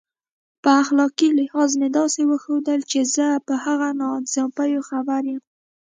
په اخلاقي لحاظ مې داسې وښودل چې زه په هغه ناانصافیو خبر یم.